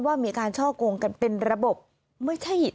ว่ามีการช่อกงกันเป็นระบบไม่ใช่